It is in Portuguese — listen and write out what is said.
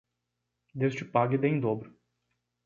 Deus te pague e dê em dobro